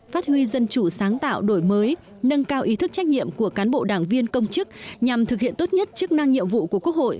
phát huy dân chủ sáng tạo đổi mới nâng cao ý thức trách nhiệm của cán bộ đảng viên công chức nhằm thực hiện tốt nhất chức năng nhiệm vụ của quốc hội